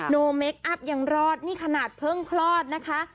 โมเมคอัพยังรอดนี่ขนาดเพิ่งคลอดนะคะ